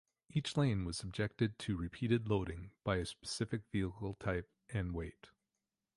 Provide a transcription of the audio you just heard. Each lane was subjected to repeated loading by a specific vehicle type and weight.